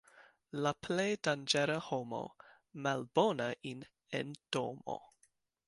La plej danĝera homo — malbona in' en domo.